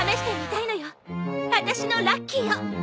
あたしのラッキーを。